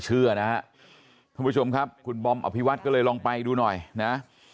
เชื่อนะฮะท่านผู้ชมครับคุณบอมอภิวัตรก็เลยลองไปดูหน่อยนะ